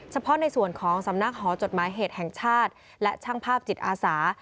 เฉพาะในส่วนของสำนักหอจดหมายเหตุแห่งชาติและช่างภาพจิตอาสา